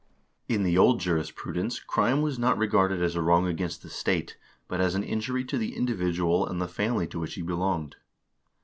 l In the old jurisprudence crime was not regarded as a wrong against the state, but as an injury to the individual and the family to which he belonged.